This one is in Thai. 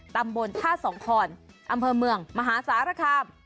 ตำบลท่าสองคอนอำเภอเมืองมหาสารคาม